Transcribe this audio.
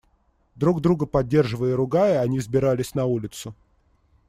Друг друга поддерживая и ругая они взбирались на улицу.